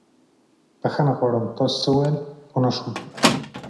بښنه غواړم، تاسې څه وويل؟ پوه نه شوم.